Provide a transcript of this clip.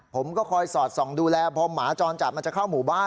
ผมก็คอยสอดส่องดูแลพอหมาจรจัดมันจะเข้าหมู่บ้าน